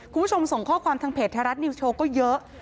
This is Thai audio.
คุณผู้ชมส่งข้อความทางเพจไทยรัฐนิวสโชว์ก็เยอะ